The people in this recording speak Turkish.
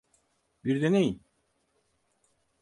Bir deneyin.